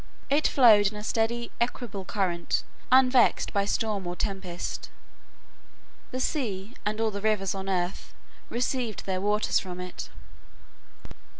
It flowed in a steady, equable current, unvexed by storm or tempest. The sea, and all the rivers on earth, received their waters from it.